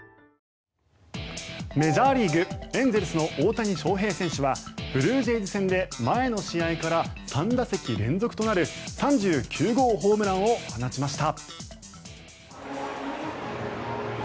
メジャーリーグエンゼルスの大谷翔平選手はブルージェイズ戦で前の試合から３打席連続となる３９号ホームランを放ちました。